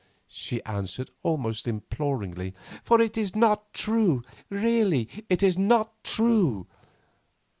she answered, almost imploringly; "for it is not true, really it is not true.